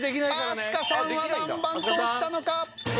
飛鳥さんは何番と押したのか？